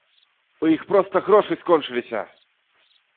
У іх проста грошы скончыліся!